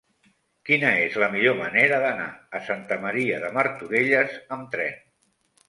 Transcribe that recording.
Quina és la millor manera d'anar a Santa Maria de Martorelles amb tren?